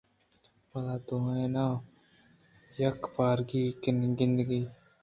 پدا دوئیناں یکپارگی کند اِت